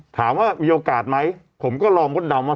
ถามว่ามีโอกาสไหมผมก็ลองมดดำว่า